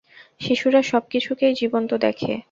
শিশুরা সব কিছুকেই জীবন্ত দেখে।